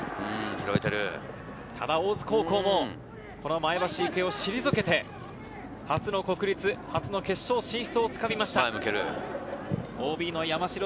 ただ大津高校も、この前橋育英を退けて、初の国立、初の決勝進出をつかみました。